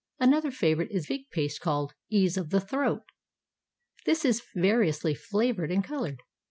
Another favorite is fig paste, called " ease of the throat." This is variously flavored and colored.